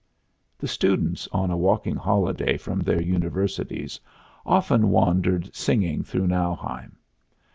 The students on a walking holiday from their universities often wandered singing through Nauheim.